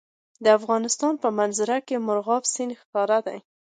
د افغانستان په منظره کې مورغاب سیند ښکاره ده.